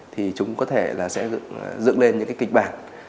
thì chúng có thể là sẽ dựng lên những cái kịch bản